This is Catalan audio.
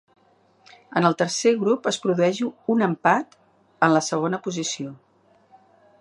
En el tercer grup es produeix un empat en la segona posició.